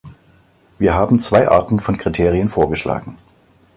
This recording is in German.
Wir haben zwei Arten von Kriterien vorgeschlagen.